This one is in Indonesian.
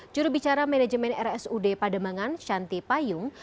jurubicara manajemen rsud pademangan shanti payung